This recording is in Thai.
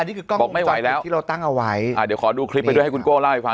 นี่คือกล้องบอกไม่ไหวแล้วที่เราตั้งเอาไว้อ่าเดี๋ยวขอดูคลิปไปด้วยให้คุณโก้เล่าให้ฟัง